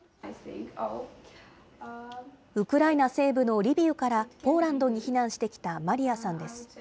ウクライナ西部のリビウからポーランドに避難してきたマリヤさんです。